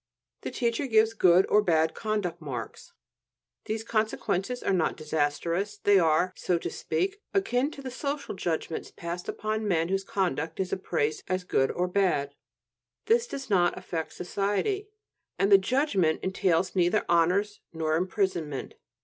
The teacher gives good or bad "conduct marks." The consequences are not disastrous; they are, so to speak, akin to the social judgments passed upon men whose conduct is appraised as good or bad. This does not affect society, and the judgment entails neither honors nor imprisonment.